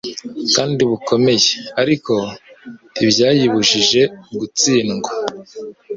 kandi bukomeye, ariko ntibyayibujije gutsindwa.